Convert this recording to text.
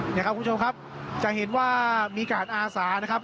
นี่ครับคุณผู้ชมครับจะเห็นว่ามีการอาสานะครับ